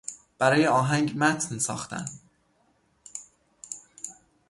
برای آهنگ متن ساختن